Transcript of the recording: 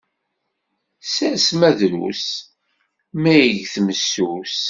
Sser ma drus, ma igget messus.